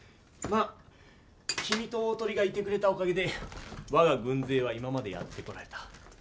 まあ君と大鳥がいてくれたおかげで我が軍勢は今までやってこられた。